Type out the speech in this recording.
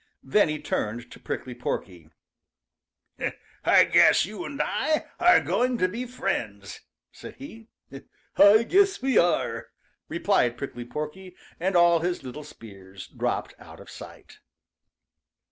Then he turned to Prickly Porky. [Illustration: 0110] "I guess you and I are going to be friends," said he. "I guess we are," replied Prickly Porky, and all his little spears dropped out of sight.